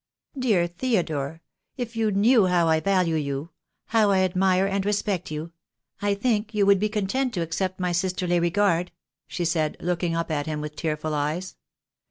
"Dear Theodore, if you knew how I value you — how I admire and respect you — I think you would be content to accept my sisterly regard," she said, looking up at him with tearful eyes.